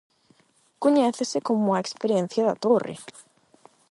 Coñécese como a experiencia da torre.